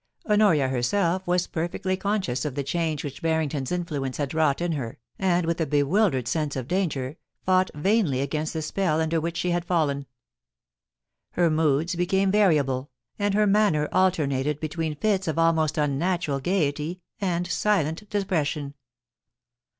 Honoria herself was perfectly conscious of the change which Barrington's influence had wrought in her, and, with a bewildered sense of danger, fought vainly against the spell under which she had fallen. Her moods became variable, 'and her manner alternated between fits of almost unnatural gaiety and silent depression.